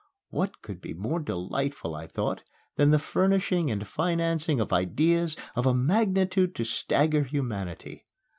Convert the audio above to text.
What could be more delightful, I thought, than the furnishing and financing of ideas of a magnitude to stagger humanity.